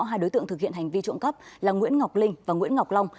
hai đối tượng thực hiện hành vi trộm cắp là nguyễn ngọc linh và nguyễn ngọc long